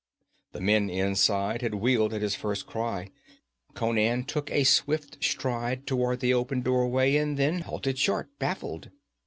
The men inside had wheeled at his first cry. Conan took a swift stride toward the open doorway, and then halted short, baffled.